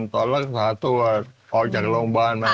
ตอนรักษาตัวออกจากโรงพยาบาลมา